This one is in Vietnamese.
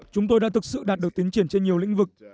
chúng tôi đã thực sự đạt được tiến triển trên nhiều lĩnh vực